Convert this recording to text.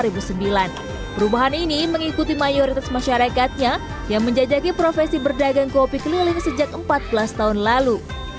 perubahan ini mengikuti mayoritas masyarakatnya yang menjajaki profesi berdagang kopi keliling sejak empat belas tahun lalu